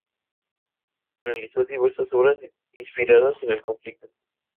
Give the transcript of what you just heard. Realizó diversas obras inspiradas en el conflicto.